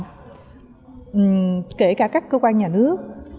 kể cả các cơ quan nhà nước các cơ quan nhà nước các cơ quan nhà nước